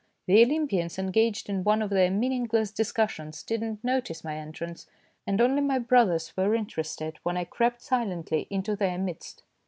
The Olympians, engaged in one of their meaningless dis cussions, did not notice my entrance, and only my brothers were interested when I crept silently into their midst.